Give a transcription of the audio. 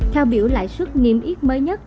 theo biểu lãi suất nghiêm yếp mới nhất